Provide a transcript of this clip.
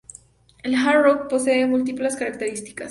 El "hard rock" posee múltiples características.